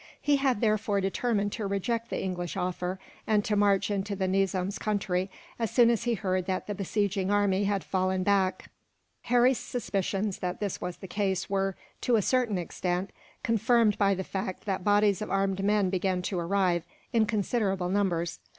He had therefore determined to reject the English offer, and to march into the Nizam's country, as soon as he heard that the besieging army had fallen back. Harry's suspicions that this was the case were, to a certain extent, confirmed by the fact that bodies of armed men began to arrive, in considerable numbers.